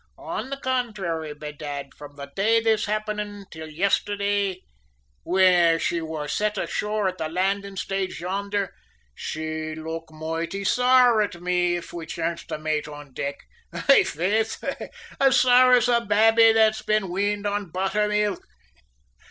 On the contrary, bedad, from the day this happened till yestherday, whin she wor set ashore at the landing stage yonder, she'd look moighty saur at me if we chanced to mate on deck aye, faith, as saur as a babby that's been weaned on butthermilk."